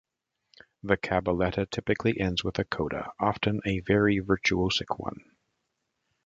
The cabaletta typically ends with a coda, often a very virtuosic one.